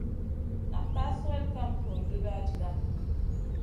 Nan ka swel kam hurduwda jiganou.